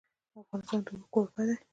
افغانستان د اوښ کوربه دی.